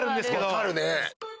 分かるね！